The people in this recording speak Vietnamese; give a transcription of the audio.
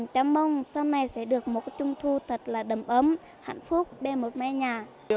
chăm mong sau này sẽ được một trung thu thật là đầm ấm hạnh phúc bên một mẹ nhà